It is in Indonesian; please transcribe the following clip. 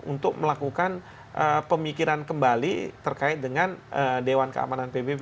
untuk melakukan pemikiran kembali terkait dengan dewan keamanan pbb